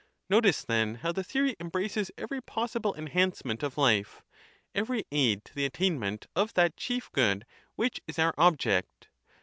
Notice then how the theory embraces every possible enhancement of life, every aid to the attainment of that Chief Good which is our object.